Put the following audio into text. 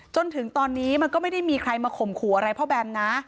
จนถึงตอนนี้มันก็ไม่ได้มีใครมาข่มขู่อะไรพ่อแบมนะ